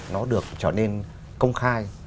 nó được trở nên công khai